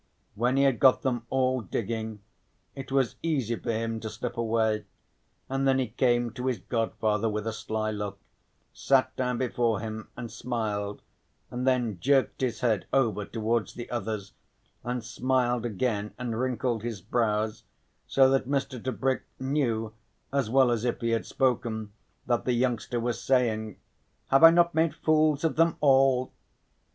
When he had got them all digging, it was easy for him to slip away, and then he came to his godfather with a sly look, sat down before him, and smiled and then jerked his head over towards the others and smiled again and wrinkled his brows so that Mr. Tebrick knew as well as if he had spoken that the youngster was saying, "Have I not made fools of them all?"